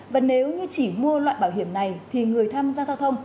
và nếu như chỉ mua loại bảo hiểm này thì người tham gia giao thông